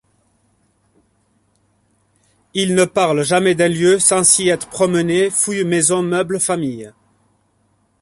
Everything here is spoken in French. Il ne parle jamais d'un lieu, sans s'y être promené, fouille maisons, meubles, familles.